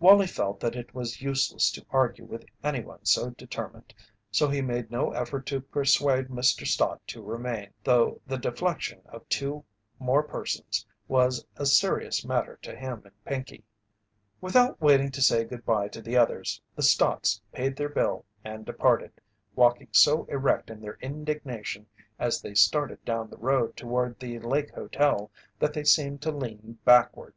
Wallie felt that it was useless to argue with any one so determined, so he made no effort to persuade Mr. Stott to remain, though the deflection of two more persons was a serious matter to him and Pinkey. Without waiting to say good bye to the others, the Stotts paid their bill and departed, walking so erect in their indignation as they started down the road toward the Lake Hotel that they seemed to lean backward.